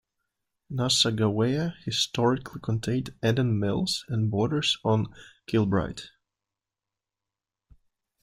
Nassagaweya historically contained Eden Mills and borders on Kilbride.